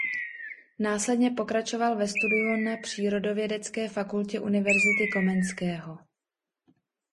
Následně pokračoval ve studiu na Přírodovědecké fakultě Univerzity Komenského.